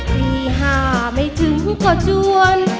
ที่หาไม่ถึงก็จวน